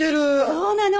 そうなの。